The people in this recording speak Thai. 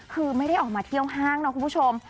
คือไม่ได้ออกมาเที่ยวห้างนะคุณผู้ชม